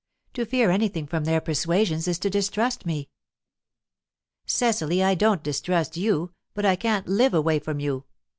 To fear anything from their' persuasions is to distrust me." "Cecily, I don't distrust you, but I can't live away from you.